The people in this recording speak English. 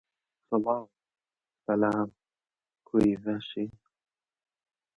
Both armies were preparing for the Flanders offensive (the Third Battle of Ypres).